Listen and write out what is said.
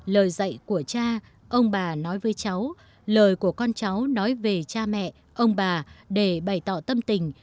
lời dạy của cha ông bà nói với cháu lời của con cháu nói về cha mẹ ông bà để bày tỏ tâm tình